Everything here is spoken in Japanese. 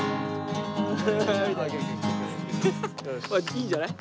いいんじゃない？